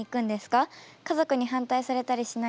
家族に反対されたりしないんですか？